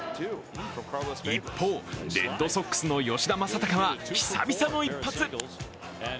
一方、レッドソックスの吉田正尚は久々の一発。